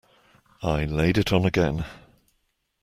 I laid it on again.